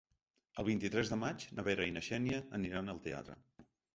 El vint-i-tres de maig na Vera i na Xènia aniran al teatre.